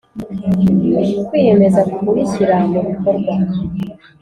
kwiyemeza kurishyira mu bikorwa